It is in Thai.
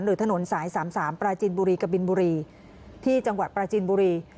ถนนสาย๓๓ปราจินบุรีกะบินบุรีที่จังหวัดปราจินบุรี